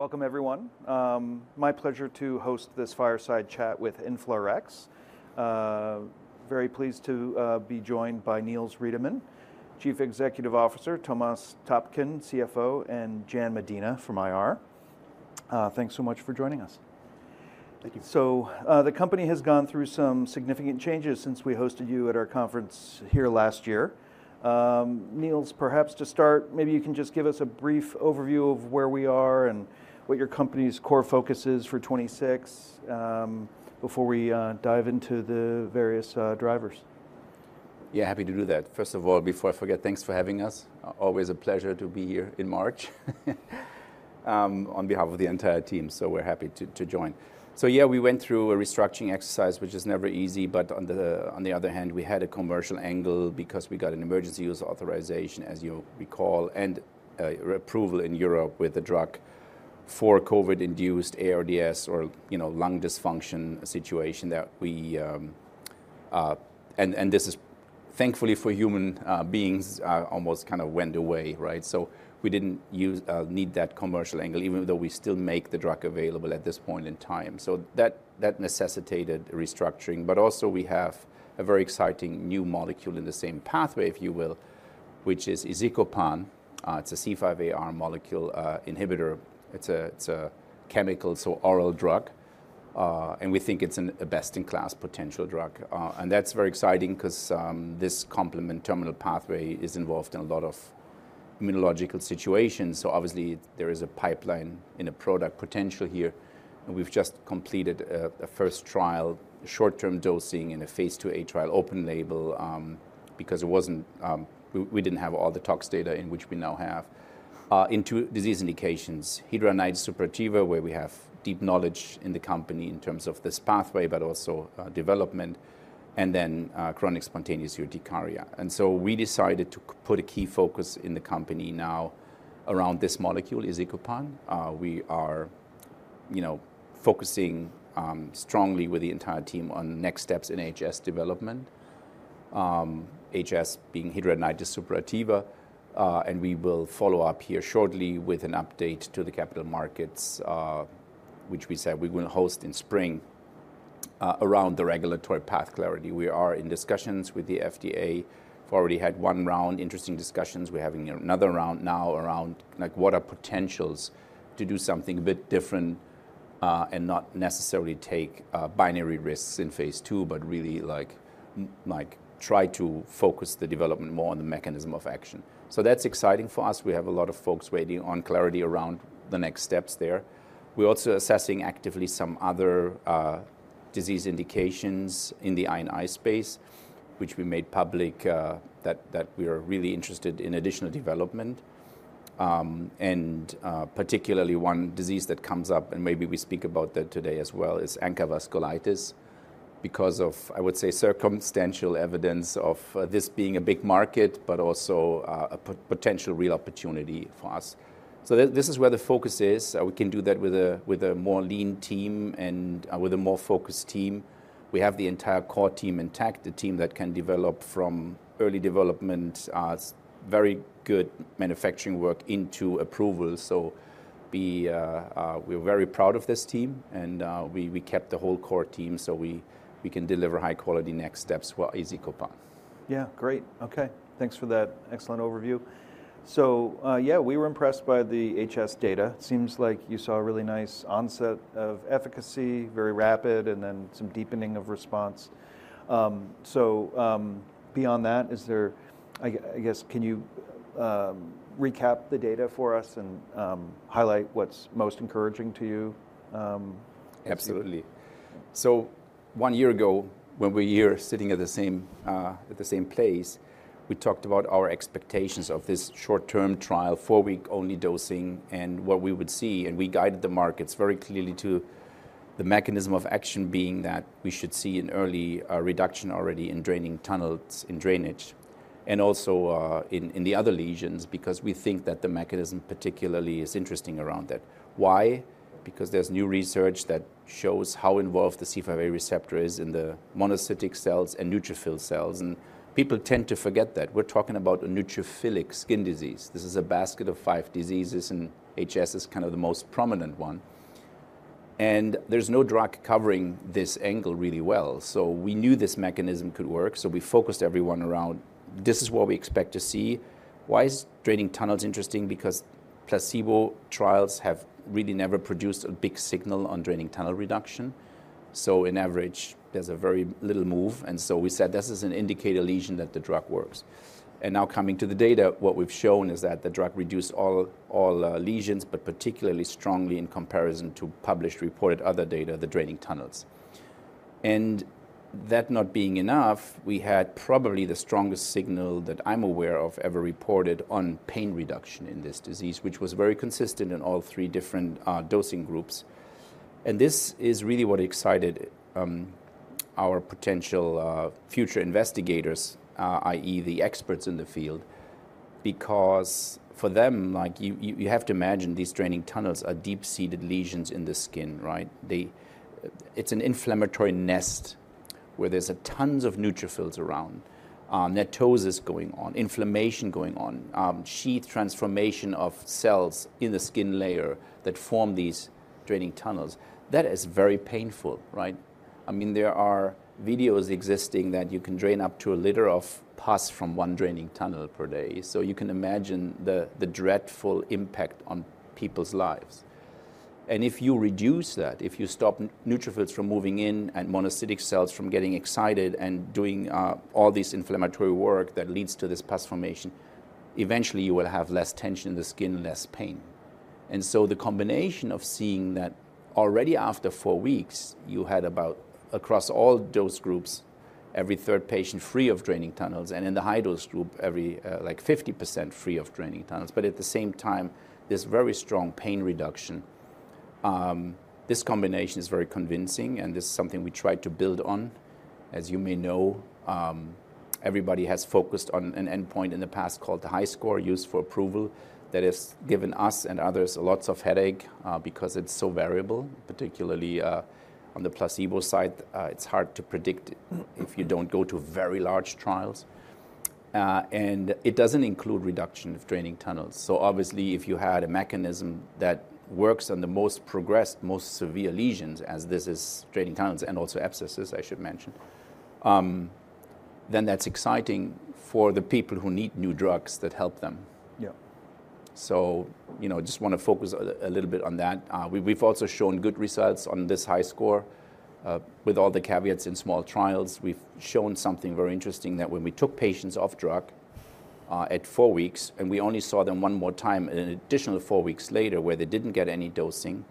Welcome everyone. My pleasure to host this fireside chat with InflaRx. Very pleased to be joined by Niels Riedemann, Chief Executive Officer, Thomas Taapken, CFO, and Jan Medina from IR. Thanks so much for joining us. Thank you. The company has gone through some significant changes since we hosted you at our conference here last year. Niels, perhaps to start, maybe you can just give us a brief overview of where we are and what your company's core focus is for 2026, before we dive into the various drivers. Yeah, happy to do that. First of all, before I forget, thanks for having us. Always a pleasure to be here in March, on behalf of the entire team. We're happy to join. Yeah, we went through a restructuring exercise, which is never easy, but on the other hand, we had a commercial angle because we got an emergency use authorization, as you'll recall, and approval in Europe with the drug for COVID-induced ARDS or, you know, lung dysfunction situation. This is thankfully for human beings almost kind of went away, right? We didn't need that commercial angle, even though we still make the drug available at this point in time. That necessitated restructuring. We have a very exciting new molecule in the same pathway, if you will, which is izicopan. It's a C5aR molecule, inhibitor. It's a chemical, so oral drug. We think it's a best-in-class potential drug. That's very exciting 'cause this complement terminal pathway is involved in a lot of immunological situations. Obviously, there is a pipeline and a product potential here. We've just completed a first trial, short-term dosing in a phase II-A trial, open label, because it wasn't. We didn't have all the tox data in which we now have, in two disease indications, hidradenitis suppurativa, where we have deep knowledge in the company in terms of this pathway, but also development, and then chronic spontaneous urticaria. We decided to put a key focus in the company now around this molecule, izicopan. We are, you know, focusing strongly with the entire team on next steps in HS development, HS being hidradenitis suppurativa, and we will follow up here shortly with an update to the capital markets, which we said we will host in spring, around the regulatory path clarity. We are in discussions with the FDA, already had one round, interesting discussions. We're having another round now around, like, what are potentials to do something a bit different, and not necessarily take binary risks in phase II, but really, like, try to focus the development more on the mechanism of action. That's exciting for us. We have a lot of folks waiting on clarity around the next steps there. We're also assessing actively some other disease indications in the I&I space, which we made public, that we are really interested in additional development. Particularly one disease that comes up, and maybe we speak about that today as well, is ANCA vasculitis because of, I would say, circumstantial evidence of this being a big market, but also a potential real opportunity for us. This is where the focus is. We can do that with a more lean team and with a more focused team. We have the entire core team intact, a team that can develop from early development, very good manufacturing work into approval. We're very proud of this team, and we kept the whole core team so we can deliver high quality next steps for izicopan. Yeah. Great. Okay. Thanks for that excellent overview. Yeah, we were impressed by the HS data. Seems like you saw a really nice onset of efficacy, very rapid, and then some deepening of response. Beyond that, is there, I guess, can you recap the data for us and highlight what's most encouraging to you? Absolutely. One year ago, when we're here sitting at the same, at the same place, we talked about our expectations of this short-term trial, four-week only dosing, and what we would see, and we guided the markets very clearly to the mechanism of action being that we should see an early, reduction already in draining tunnels in drainage. Also, in the other lesions, because we think that the mechanism particularly is interesting around that. Why? Because there's new research that shows how involved the C5a receptor is in the monocytic cells and neutrophil cells, and people tend to forget that. We're talking about a neutrophilic skin disease. This is a basket of five diseases, and HS is kind of the most prominent one, and there's no drug covering this angle really well. We knew this mechanism could work, so we focused everyone around this is what we expect to see. Why is draining tunnels interesting? Because placebo trials have really never produced a big signal on draining tunnel reduction. In average, there's a very little move, and so we said this is an indicator lesion that the drug works. Now coming to the data, what we've shown is that the drug reduced all lesions, but particularly strongly in comparison to published reported other data, the draining tunnels. That not being enough, we had probably the strongest signal that I'm aware of ever reported on pain reduction in this disease, which was very consistent in all three different dosing groups. This is really what excited our potential future investigators, i.e. the experts in the field, because for them, like you have to imagine these draining tunnels are deep-seated lesions in the skin, right? They. It's an inflammatory nest where there's tons of neutrophils around, NETosis going on, inflammation going on, sheath transformation of cells in the skin layer that form these draining tunnels. That is very painful, right? I mean, there are videos existing that you can drain up to a liter of pus from one draining tunnel per day. So you can imagine the dreadful impact on people's lives. If you reduce that, if you stop neutrophils from moving in and monocytic cells from getting excited and doing all this inflammatory work that leads to this pus formation, eventually you will have less tension in the skin, less pain. The combination of seeing that already after four weeks, you had about across all dose groups, every third patient free of draining tunnels, and in the high dose group, every, like 50% free of draining tunnels. At the same time, this very strong pain reduction, this combination is very convincing, and this is something we try to build on. As you may know, everybody has focused on an endpoint in the past called the HiSCR used for approval that has given us and others lots of headache, because it's so variable, particularly, on the placebo side. It's hard to predict if you don't go to very large trials. It doesn't include reduction of draining tunnels. Obviously, if you had a mechanism that works on the most progressed, most severe lesions, as this is draining tunnels and also abscesses, I should mention, then that's exciting for the people who need new drugs that help them. Yeah. You know, just wanna focus a little bit on that. We've also shown good results on this HiSCR, with all the caveats in small trials. We've shown something very interesting that when we took patients off drug at four weeks, and we only saw them one more time an additional four weeks later, where they didn't get any dosing,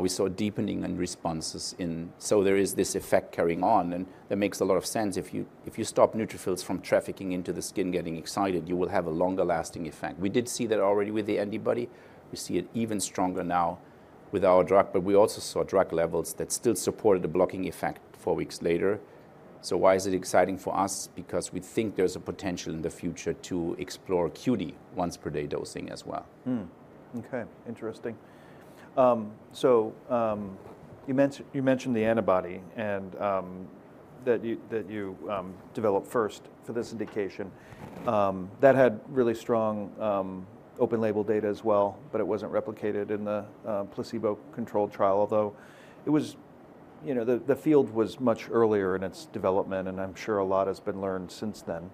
we saw a deepening in responses. There is this effect carrying on, and that makes a lot of sense. If you stop neutrophils from trafficking into the skin, getting excited, you will have a longer-lasting effect. We did see that already with the antibody. We see it even stronger now with our drug, but we also saw drug levels that still supported the blocking effect four weeks later. Why is it exciting for us? Because we think there's a potential in the future to explore QD once per day dosing as well. You mentioned the antibody and that you developed first for this indication. That had really strong open label data as well, but it wasn't replicated in the placebo-controlled trial. Although it was, you know. The field was much earlier in its development, and I'm sure a lot has been learned since then.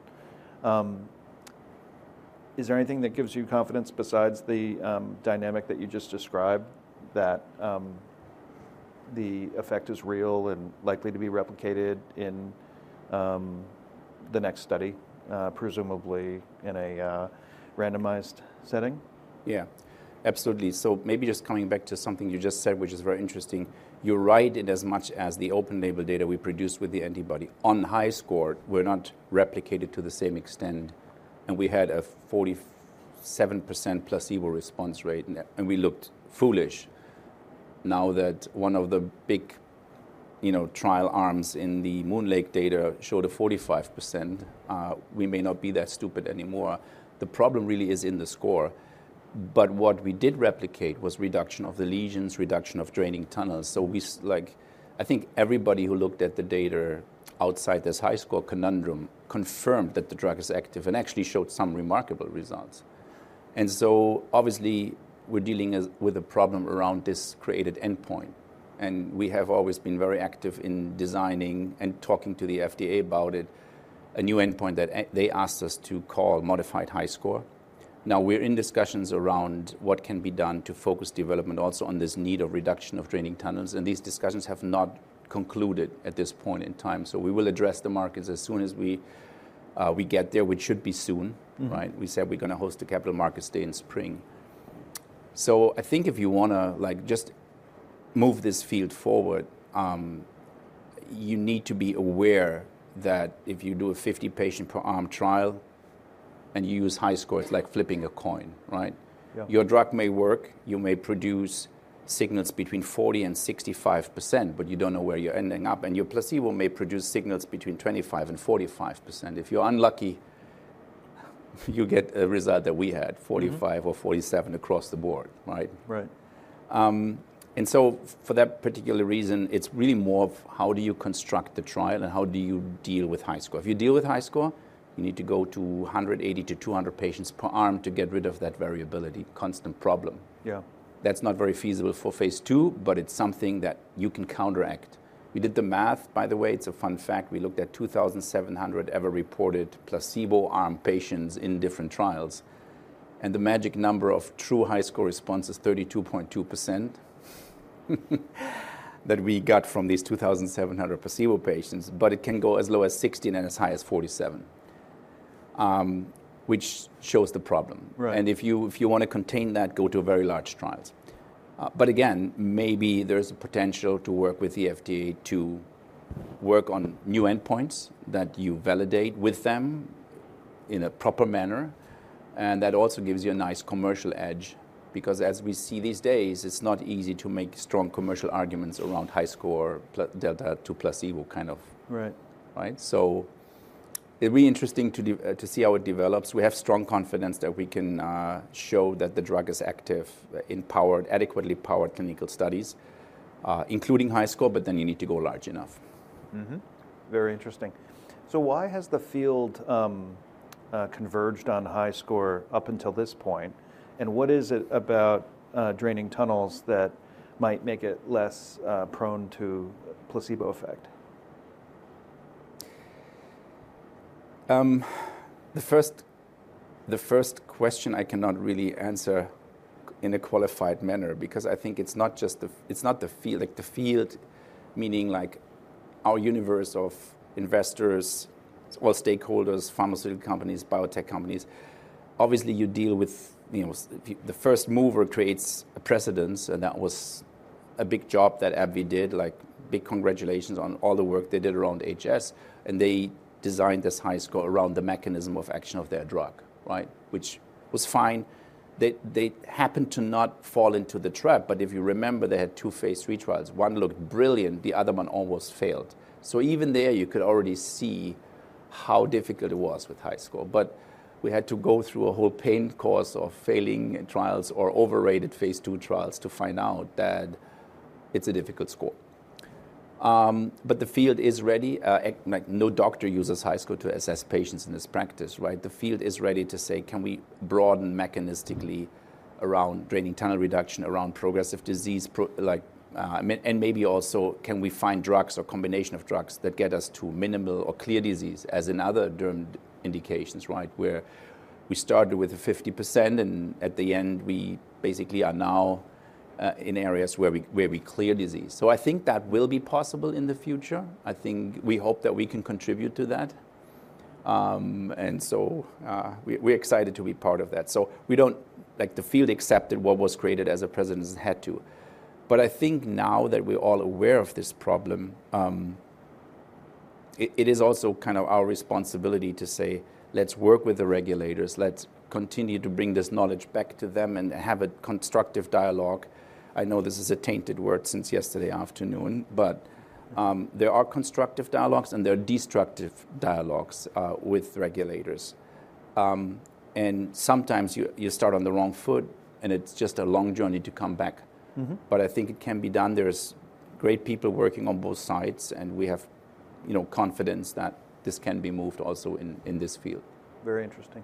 Is there anything that gives you confidence besides the dynamic that you just described, that the effect is real and likely to be replicated in the next study, presumably in a randomized setting? Yeah. Absolutely. Maybe just coming back to something you just said, which is very interesting. You're right in as much as the open label data we produced with the antibody. On the HiSCR, we're not replicated to the same extent, and we had a 47% placebo response rate, and we looked foolish now that one of the big, you know, trial arms in the MoonLake data showed a 45%. We may not be that stupid anymore. The problem really is in the HiSCR. What we did replicate was reduction of the lesions, reduction of draining tunnels. We like, I think everybody who looked at the data outside this HiSCR conundrum confirmed that the drug is active and actually showed some remarkable results. Obviously, we're dealing with a problem around this created endpoint, and we have always been very active in designing and talking to the FDA about it, a new endpoint that they asked us to call modified HiSCR. Now, we're in discussions around what can be done to focus development also on this need of reduction of draining tunnels, and these discussions have not concluded at this point in time. We will address the markets as soon as we get there, which should be soon, right? Mm-hmm. We said we're gonna host a Capital Markets Day in Spring. I think if you wanna, like, just move this field forward, you need to be aware that if you do a 50-patient per arm trial and you use HiSCR, it's like flipping a coin, right? Yeah. Your drug may work, you may produce signals between 40% and 65%, but you don't know where you're ending up, and your placebo may produce signals between 25% and 45%. If you're unlucky, you get a result that we had 45% or 47% across the board, right? Right. For that particular reason, it's really more of how do you construct the trial and how do you deal with HiSCR. If you deal with HiSCR, you need to go to 180-200 patients per arm to get rid of that variability. Constant problem. Yeah. That's not very feasible for phase II, but it's something that you can counteract. We did the math, by the way. It's a fun fact. We looked at 2,700 ever reported placebo arm patients in different trials, and the magic number of true HiSCR response is 32.2% that we got from these 2,700 placebo patients, but it can go as low as 16 and as high as 47, which shows the problem. Right. If you wanna contain that, go to very large trials. Again, maybe there's a potential to work with the FDA to work on new endpoints that you validate with them in a proper manner, and that also gives you a nice commercial edge because as we see these days, it's not easy to make strong commercial arguments around HiSCR placebo delta to placebo kind of. Right Right? It'll be interesting to see how it develops. We have strong confidence that we can show that the drug is active in adequately powered clinical studies, including HiSCR, but then you need to go large enough. Mm-hmm. Very interesting. Why has the field converged on HiSCR up until this point? What is it about draining tunnels that might make it less prone to placebo effect? The first question I cannot really answer in a qualified manner because I think it's not just the field. Like, the field, meaning, like, our universe of investors or stakeholders, pharmaceutical companies, biotech companies. Obviously, you deal with, you know, the first mover creates a precedent, and that was a big job that AbbVie did. Like, big congratulations on all the work they did around HS. They designed this HiSCR around the mechanism of action of their drug, right? Which was fine. They happened to not fall into the trap. If you remember, they had two phase III trials. One looked brilliant, the other one almost failed. Even there, you could already see how difficult it was with HiSCR. We had to go through a whole painful course of failing trials or overhyped phase II trials to find out that it's a difficult score. The field is ready. Like, no doctor uses HiSCR to assess patients in this practice, right? The field is ready to say, "Can we broaden mechanistically around drainage tunnel reduction, around progressive disease, and maybe also, can we find drugs or combination of drugs that get us to minimal or clear disease as in other derm indications, right? Where we started with a 50% and at the end, we basically are now in areas where we clear disease." I think that will be possible in the future. I think we hope that we can contribute to that. We're excited to be part of that. Like the field accepted what was created as a precedent as it had to. I think now that we're all aware of this problem, it is also kind of our responsibility to say, "Let's work with the regulators. Let's continue to bring this knowledge back to them and have a constructive dialogue." I know this is a tainted word since yesterday afternoon, but there are constructive dialogues, and there are destructive dialogues with regulators. Sometimes you start on the wrong foot, and it's just a long journey to come back. Mm-hmm. I think it can be done. There's great people working on both sides, and we have, you know, confidence that this can be moved also in this field. Very interesting.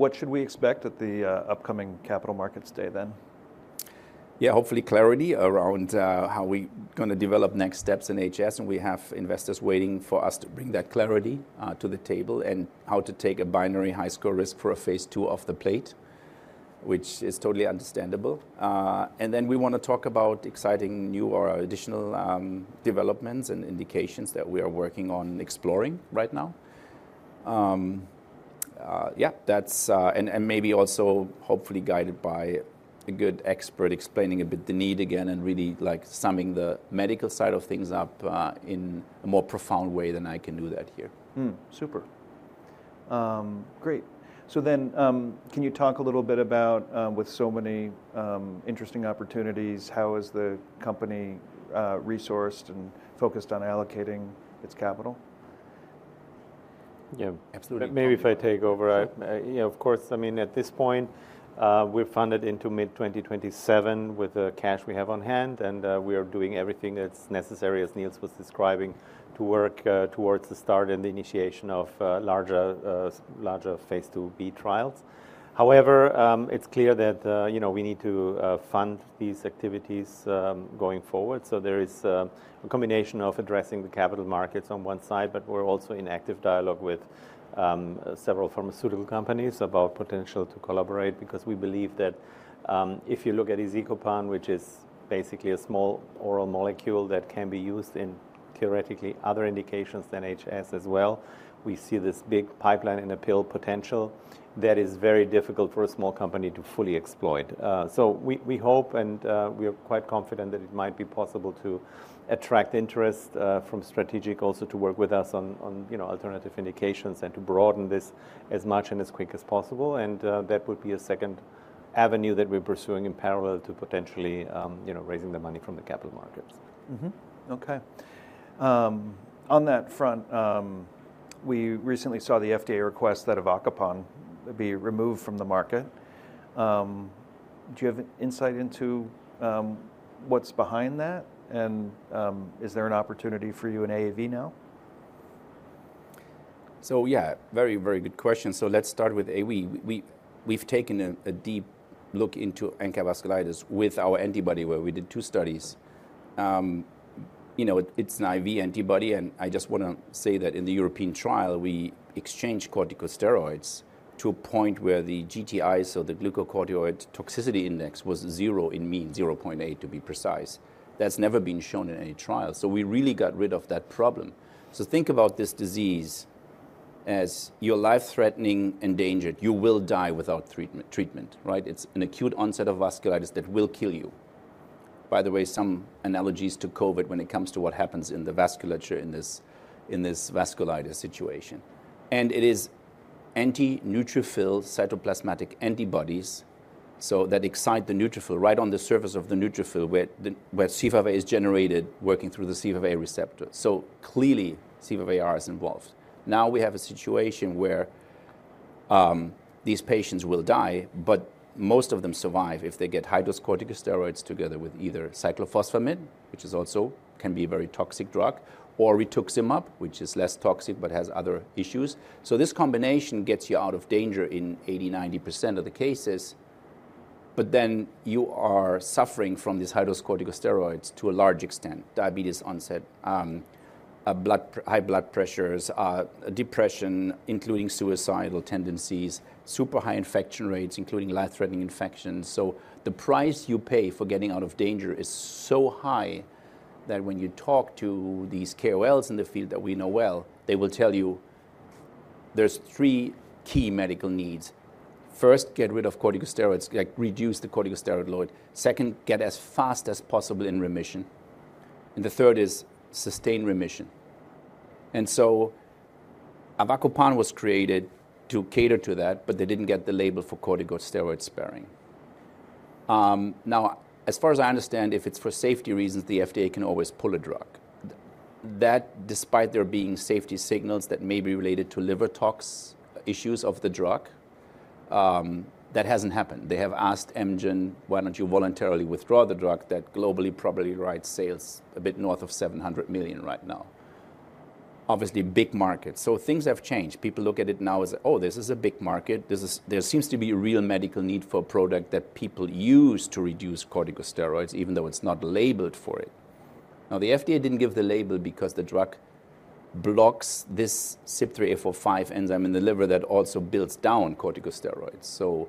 What should we expect at the upcoming Capital Markets Day then? Hopefully clarity around how we gonna develop next steps in HS, and we have investors waiting for us to bring that clarity to the table, and how to take a binary HiSCR risk for a phase II off the plate, which is totally understandable. Then we wanna talk about exciting new or additional developments and indications that we are working on exploring right now. Yeah, that's and maybe also hopefully guided by a good expert explaining a bit the need again and really, like, summing the medical side of things up in a more profound way than I can do that here. Super. Great. Can you talk a little bit about with so many interesting opportunities how the company is resourced and focused on allocating its capital? Yeah. Absolutely. Maybe if I take over. Sure. You know, of course, I mean, at this point, we're funded into mid-2027 with the cash we have on hand, and we are doing everything that's necessary, as Niels was describing, to work towards the start and the initiation of larger phase II-B trials. However, it's clear that you know, we need to fund these activities going forward. There is a combination of addressing the capital markets on one side, but we're also in active dialogue with several pharmaceutical companies about potential to collaborate because we believe that if you look at izicopan, which is basically a small oral molecule that can be used in theoretically other indications than HS as well, we see this big pipeline and appeal potential that is very difficult for a small company to fully exploit. We hope and we are quite confident that it might be possible to attract interest from strategics also to work with us on you know alternative indications and to broaden this as much and as quick as possible. That would be a second avenue that we're pursuing in parallel to potentially you know raising the money from the capital markets. Okay. On that front, we recently saw the FDA request that avacopan be removed from the market. Do you have insight into what's behind that? Is there an opportunity for you in AAV now? Yeah, very, very good question. Let's start with AAV. We've taken a deep look into ANCA vasculitis with our antibody where we did two studies. It's an IV antibody, and I just wanna say that in the European trial, we exchanged corticosteroids to a point where the GTIs or the Glucocorticoid Toxicity Index was zero in mean, 0.8 to be precise. That's never been shown in any trial. We really got rid of that problem. Think about this disease as you're life-threatening endangered. You will die without treatment, right? It's an acute onset of vasculitis that will kill you. By the way, some analogies to COVID when it comes to what happens in the vasculature in this vasculitis situation. Anti-neutrophil cytoplasmic antibodies so that excite the neutrophil right on the surface of the neutrophil where C5a is generated working through the C5a receptor. Clearly C5aR is involved. Now we have a situation where these patients will die, but most of them survive if they get high-dose corticosteroids together with either cyclophosphamide, which is also can be a very toxic drug, or rituximab, which is less toxic but has other issues. This combination gets you out of danger in 80%-90% of the cases, but then you are suffering from these high-dose corticosteroids to a large extent. Diabetes onset, high blood pressure, depression, including suicidal tendencies, super high infection rates, including life-threatening infections. The price you pay for getting out of danger is so high that when you talk to these KOLs in the field that we know well, they will tell you there's three key medical needs. First, get rid of corticosteroids, like reduce the corticosteroid load. Second, get as fast as possible in remission. The third is sustained remission. Avacopan was created to cater to that, but they didn't get the label for corticosteroid sparing. Now as far as I understand, if it's for safety reasons, the FDA can always pull a drug. That despite there being safety signals that may be related to liver tox issues of the drug, that hasn't happened. They have asked Amgen, "Why don't you voluntarily withdraw the drug that globally probably drives sales a bit north of $700 million right now?" Obviously, big market. Things have changed. People look at it now as, oh, this is a big market. There seems to be a real medical need for a product that people use to reduce corticosteroids even though it's not labeled for it. Now, the FDA didn't give the label because the drug blocks this CYP3A4 enzyme in the liver that also breaks down corticosteroids.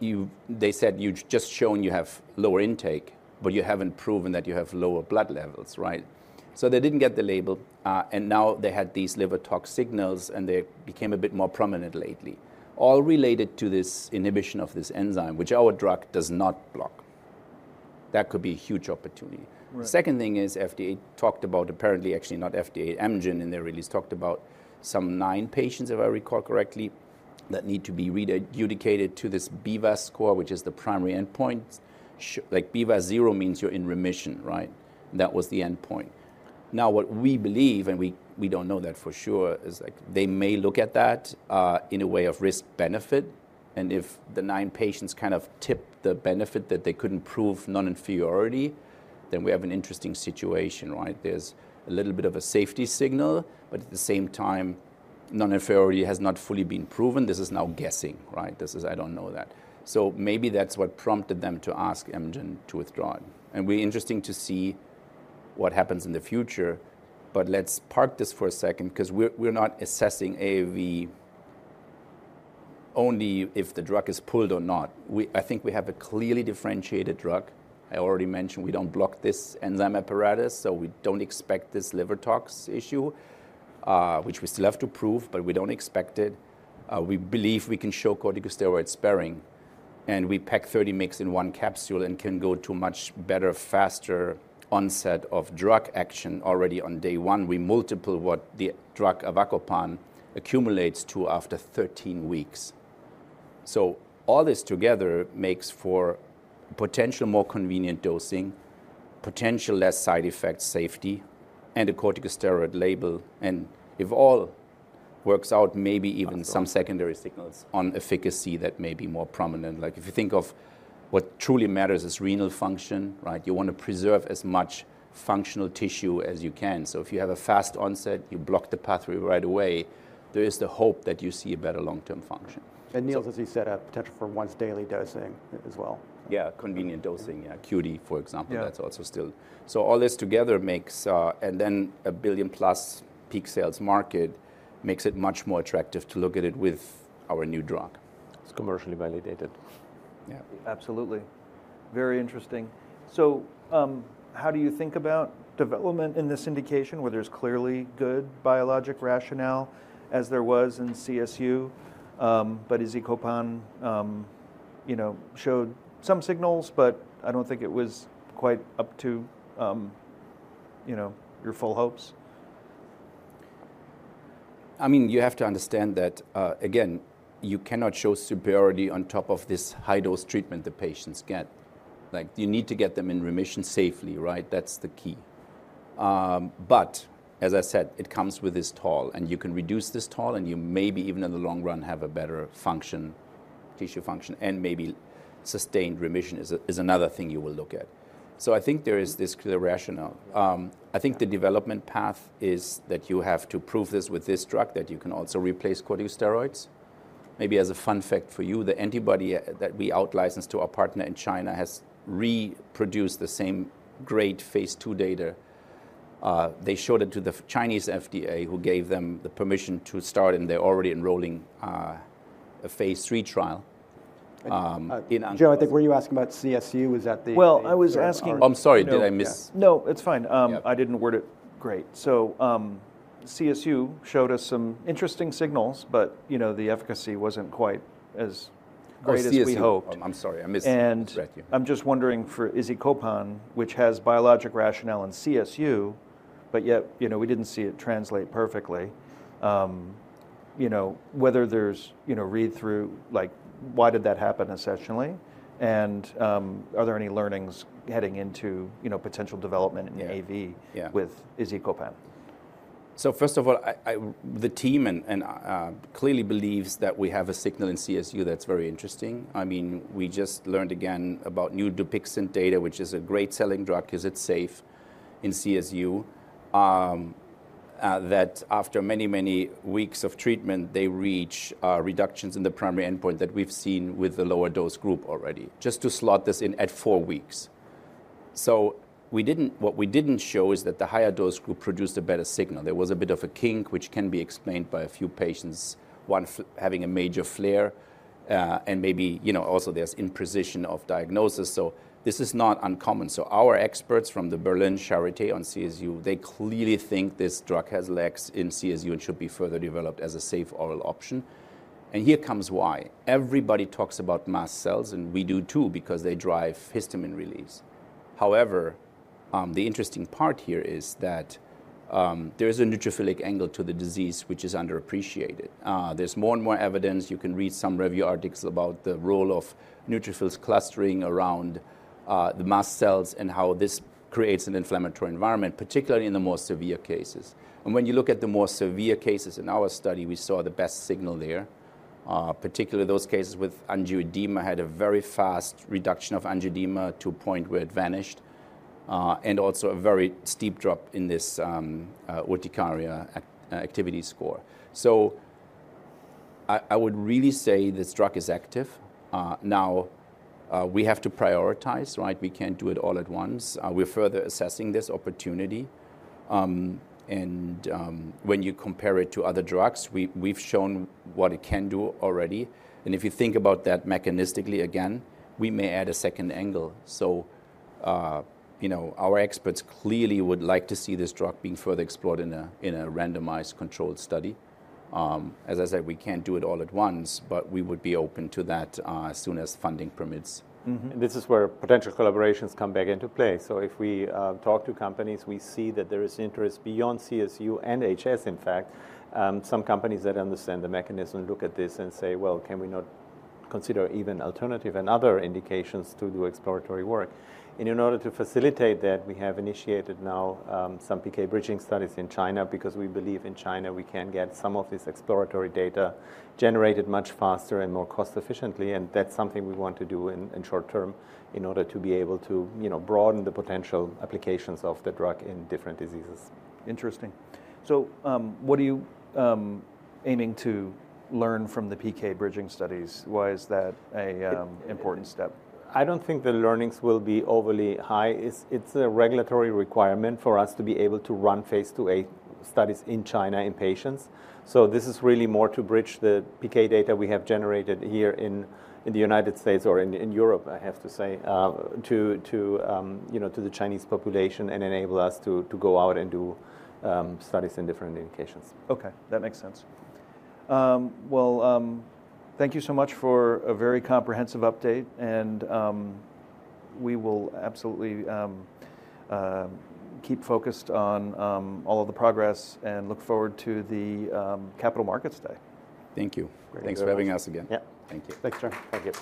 They said, "You've just shown you have lower intake, but you haven't proven that you have lower blood levels," right? They didn't get the label, and now they had these liver tox signals, and they became a bit more prominent lately, all related to this inhibition of this enzyme, which our drug does not block. That could be a huge opportunity. Right. Second thing is FDA talked about apparently, actually not FDA, Amgen in their release talked about some nine patients, if I recall correctly, that need to be re-adjudicated to this BVAS score, which is the primary endpoint. Like BVAS zero means you're in remission, right? That was the endpoint. Now, what we believe, and we don't know that for sure, is like they may look at that in a way of risk-benefit, and if the nine patients kind of tip the balance that they couldn't prove non-inferiority, then we have an interesting situation, right? There's a little bit of a safety signal, but at the same time, non-inferiority has not fully been proven. This is now guessing, right? This is I don't know that. So maybe that's what prompted them to ask Amgen to withdraw it, and will be interesting to see what happens in the future. Let's park this for a second 'cause we're not assessing AAV only if the drug is pulled or not. I think we have a clearly differentiated drug. I already mentioned we don't block this enzyme apparatus, so we don't expect this liver tox issue, which we still have to prove, but we don't expect it. We believe we can show corticosteroid sparing, and we pack 30 mg in one capsule and can go to much better, faster onset of drug action already on day one. We multiply what the drug avacopan accumulates to after 13 weeks. All this together makes for potential more convenient dosing, potential less side effect safety, and a corticosteroid label. If all works out, maybe even some secondary signals on efficacy that may be more prominent. Like if you think of what truly matters is renal function, right? You wanna preserve as much functional tissue as you can. If you have a fast onset, you block the pathway right away, there is the hope that you see a better long-term function. Nils, as you said, a potential for once daily dosing as well. Yeah, convenient dosing. Yeah, QD, for example. Yeah That's also still. All this together makes, and then a $1 billion+ peak sales market makes it much more attractive to look at it with our new drug. It's commercially validated. Yeah. Absolutely. Very interesting. How do you think about development in this indication where there's clearly good biologic rationale as there was in CSU, but izicopan, you know, showed some signals, but I don't think it was quite up to, you know, your full hopes. I mean, you have to understand that, again, you cannot show superiority on top of this high-dose treatment the patients get. Like you need to get them in remission safely, right? That's the key. As I said, it comes with this toll, and you can reduce this toll, and you maybe even in the long run have a better function, tissue function and maybe sustained remission is another thing you will look at. I think there is this clear rationale. I think the development path is that you have to prove this with this drug, that you can also replace corticosteroids. Maybe as a fun fact for you, the antibody that we out-licensed to our partner in China has reproduced the same great phase II data. They showed it to the Chinese FDA, who gave them the permission to start, and they're already enrolling a phase III trial. Joe, I think where you ask about CSU, is that. Well, I was asking. Oh, I'm sorry. Did I miss? No, it's fine. Yeah. I didn't word it great. CSU showed us some interesting signals, but, you know, the efficacy wasn't quite as CSU. I'm sorry, I missed. I'm just wondering for izicopan, which has biologic rationale in CSU, but yet, you know, we didn't see it translate perfectly, you know, whether there's, you know, read through, like why did that happen essentially, and, are there any learnings heading into, you know, potential development in AAV. Yeah, yeah. with izicopan? First of all, I and the team clearly believes that we have a signal in CSU that's very interesting. I mean, we just learned again about new Dupixent data, which is a great selling drug, 'cause it's safe in CSU. That after many weeks of treatment, they reach reductions in the primary endpoint that we've seen with the lower dose group already, just to slot this in at four weeks. What we didn't show is that the higher dose group produced a better signal. There was a bit of a kink, which can be explained by a few patients, one having a major flare. Maybe, you know, also there's imprecision of diagnosis, so this is not uncommon. Our experts from the Berlin Charité on CSU, they clearly think this drug has legs in CSU and should be further developed as a safe oral option. Here comes why. Everybody talks about mast cells, and we do too, because they drive histamine release. However, the interesting part here is that, there's a neutrophilic angle to the disease which is underappreciated. There's more and more evidence, you can read some review articles about the role of neutrophils clustering around, the mast cells and how this creates an inflammatory environment, particularly in the more severe cases. When you look at the more severe cases in our study, we saw the best signal there. Particularly those cases with angioedema had a very fast reduction of angioedema to a point where it vanished. A very steep drop in this Urticaria Activity Score. I would really say this drug is active. We have to prioritize, right? We can't do it all at once. We're further assessing this opportunity. When you compare it to other drugs, we've shown what it can do already. If you think about that mechanistically again, we may add a second angle. You know, our experts clearly would like to see this drug being further explored in a randomized controlled study. As I said, we can't do it all at once, but we would be open to that as soon as funding permits. Mm-hmm. This is where potential collaborations come back into play. If we talk to companies, we see that there is interest beyond CSU and HS, in fact. Some companies that understand the mechanism look at this and say, "Well, can we not consider even alternative and other indications to do exploratory work?" In order to facilitate that, we have initiated now some PK bridging studies in China because we believe in China we can get some of this exploratory data generated much faster and more cost efficiently, and that's something we want to do in short term in order to be able to, you know, broaden the potential applications of the drug in different diseases. Interesting. What are you aiming to learn from the PK bridging studies? Why is that a important step? I don't think the learnings will be overly high. It's a regulatory requirement for us to be able to run phase II-A studies in China in patients. This is really more to bridge the PK data we have generated here in the United States or in Europe, I have to say, to the Chinese population and enable us to go out and do studies in different indications. Okay. That makes sense. Well, thank you so much for a very comprehensive update, and we will absolutely keep focused on all of the progress and look forward to the Capital Markets Day. Thank you. Great to have you. Thanks for having us again. Yeah. Thank you. Thanks, Joe. Thank you.